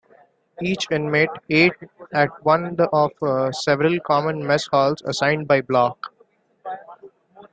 Each inmate ate at one of several common mess halls, assigned by block.